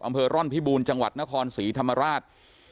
อำเภอร่อนพิบูรณ์จังหวัดนครศรีธรรมราช